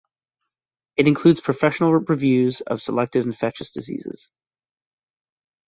It includes professional reviews of selected infectious diseases.